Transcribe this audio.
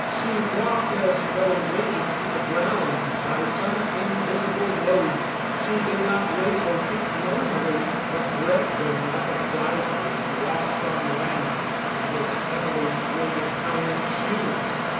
She walked as though weighted to the ground by some invisible load. She did not raise her feet normally, but dragged them, like a diver who walks on land in his heavily weighted iron shoes.